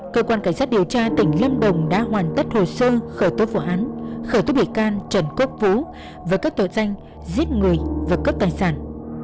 cơ quan cảnh sát điều tra tỉnh lâm đồng đã hoàn tất hồ sơ khởi tố vụ án khởi tố bị can trần quốc vũ về các tội danh giết người và cướp tài sản